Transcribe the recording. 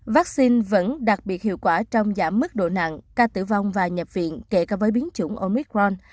vaccine vẫn đặc biệt hiệu quả trong giảm mức độ nặng ca tử vong và nhập viện kể cả với biến chủng omicron